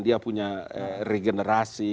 dia punya regenerasi